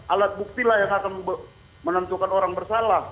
alat buktilah yang akan menentukan orang bersalah